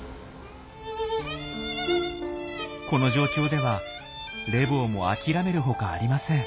この状況ではレボーも諦めるほかありません。